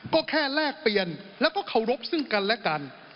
ก็แค่แลกเปลี่ยนแล้วก็เคารพซึ่งกันและกัน